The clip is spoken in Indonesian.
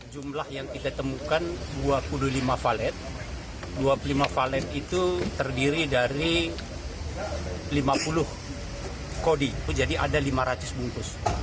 jumlah yang kita temukan dua puluh lima valet dua puluh lima valet itu terdiri dari lima puluh kodi jadi ada lima ratus bungkus